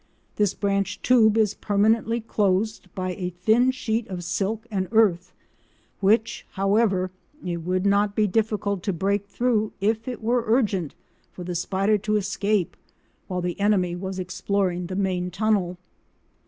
This branch tube is permanently closed by a thin sheet of silk and earth, which, however, it would not be difficult to break through if it were urgent for the spider to escape while the enemy was exploring the main tunnel.